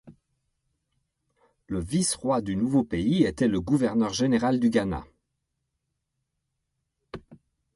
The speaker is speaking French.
Le vice-roi du nouveau pays était le gouverneur général du Ghana.